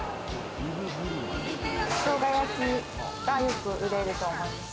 ショウガ焼きが、よく売れると思います。